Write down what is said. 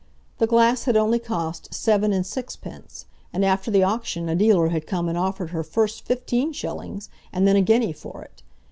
The glass had only cost seven and sixpence, and, after the auction a dealer had come and offered her first fifteen shillings, and then a guinea for it.